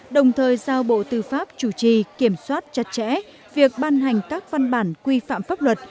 đồng thời giao bộ tư pháp chủ trì kiểm soát chặt chẽ việc ban hành các văn bản quy phạm pháp luật